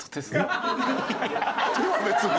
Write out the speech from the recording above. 手は別に。